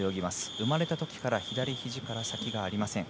生まれたときから左ひじから先がありません。